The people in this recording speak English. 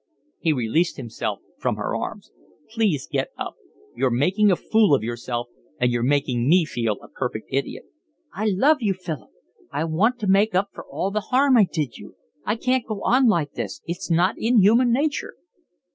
He released himself from her arms. "Please get up. You're making a fool of yourself and you're making me feel a perfect idiot." "I love you, Philip. I want to make up for all the harm I did you. I can't go on like this, it's not in human nature."